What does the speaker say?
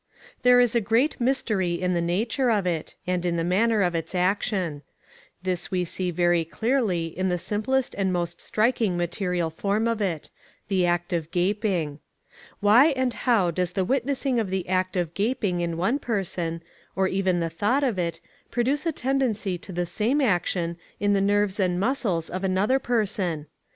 There is a great mystery in the nature of it, and in the manner of its action. This we see very clearly in the simplest and most striking material form of it the act of gaping. Why and how does the witnessing of the act of gaping in one person, or even the thought of it, produce a tendency to the same action in the nerves and muscles of another person?